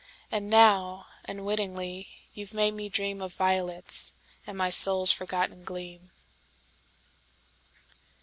And now—unwittingly, you've made me dreamOf violets, and my soul's forgotten gleam.